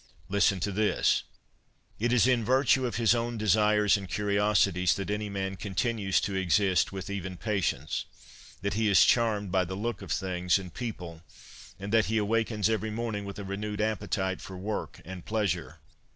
Listen to this :" It is in virtue of his own desires and curiosities that any man continues to exist with even patience, that he is charmed by the look of things and people, and that he awakens every morning with a renewed appetite for work and pleasure."